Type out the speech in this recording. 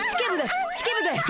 式部です。